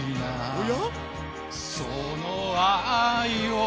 おや？